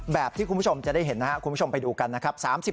แบบที่คุณผู้ชมจะได้เห็นนะครับคุณผู้ชมไปดูกันนะครับ